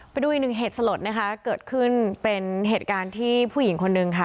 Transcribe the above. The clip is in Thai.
ไปดูอีกหนึ่งเหตุสลดนะคะเกิดขึ้นเป็นเหตุการณ์ที่ผู้หญิงคนนึงค่ะ